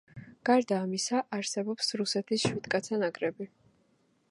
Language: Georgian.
გარდა ამისა არსებობს რუსეთის შვიდკაცა ნაკრები.